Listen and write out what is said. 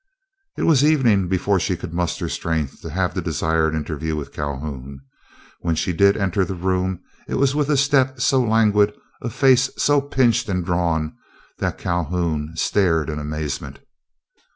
It was evening before she could muster strength to have the desired interview with Calhoun. When she did enter the room it was with a step so languid, a face so pinched and drawn, that Calhoun stared in amazement.